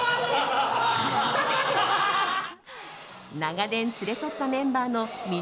長年連れ添ったメンバーの見